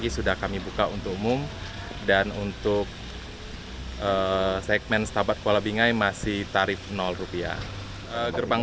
sudah kami buka untuk umum dan untuk segmen stabat kuala bingai masih tarif rupiah gerbang